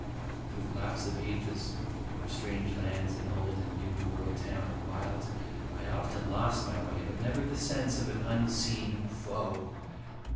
Through the lapse of ages, over strange lands, in old and new world town or wild, I often lost my way, but never the sense of an unseen foe.